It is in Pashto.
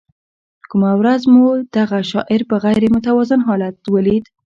کومه ورځ مو دغه شاعر په غیر متوازن حالت ولید.